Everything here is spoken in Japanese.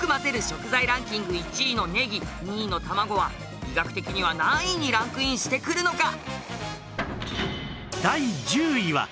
食材ランキング１位のねぎ２位の卵は医学的には何位にランクインしてくるのか？